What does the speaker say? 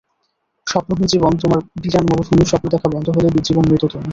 স্বপ্নহীন জীবন তোমার বিরান মরুভূমি স্বপ্ন দেখা বন্ধ হলে জীবন্মৃত তুমি।